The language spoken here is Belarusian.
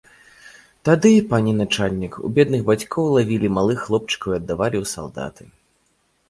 Тады, пане начальнік, у бедных бацькоў лавілі малых хлопчыкаў і аддавалі ў салдаты.